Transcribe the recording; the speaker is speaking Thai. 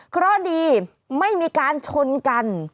ก็ดีไม่มีการชนกัน